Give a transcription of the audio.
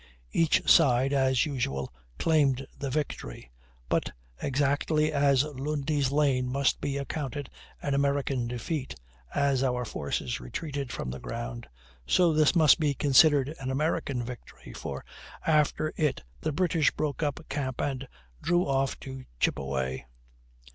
Each side, as usual, claimed the victory; but, exactly as Lundy's Lane must be accounted an American defeat, as our forces retreated from the ground, so this must be considered an American victory, for after it the British broke up camp and drew off to Chippeway.